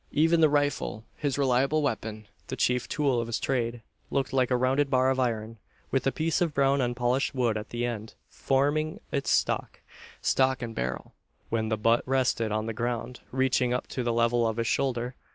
Even the rifle, his reliable weapon the chief tool of his trade looked like a rounded bar of iron, with a piece of brown unpolished wood at the end, forming its stock; stock and barrel, when the butt rested on the ground, reaching up to the level of his shoulder.